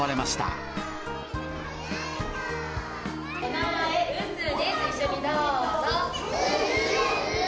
お名前は臼です、一緒にどう臼。